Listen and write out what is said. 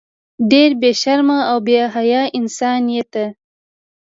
ډیر بی شرمه او بی حیا انسان یی ته